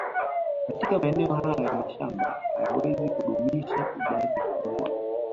Katika maeneo hayo ya mashamba hayawezi kudumisha idadi kubwa